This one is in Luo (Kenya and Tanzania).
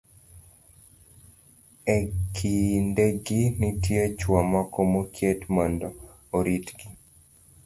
E kindegi, nitie chwo moko moket mondo oritgi.